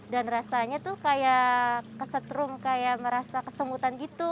dan rasanya tuh kayak kesetrum kayak merasa kesemutan gitu